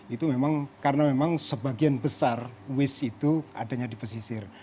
itu memang karena memang sebagian besar wis itu adanya di pesisir